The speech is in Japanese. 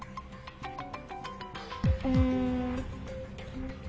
うん。